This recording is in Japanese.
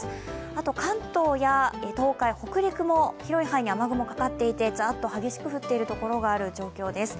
あと、関東や東海、北陸も広い範囲に雲がかかっていてザーッと激しく降っているところがある状況です。